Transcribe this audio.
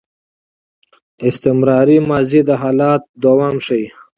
استمراري ماضي د حالت دوام ښيي.